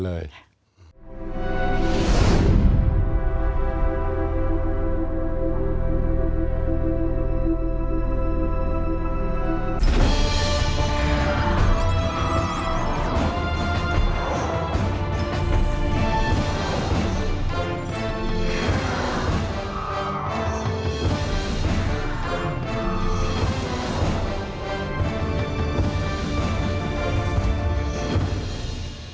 ท่านสอบผ่านมาตัดสินใจของพลเอกประยุทธ์